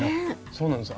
そうなんです